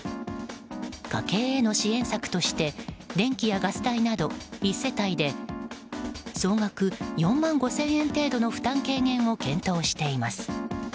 家計への支援策として電気やガス代など１世帯で総額４万５０００円程度の負担軽減を検討しています。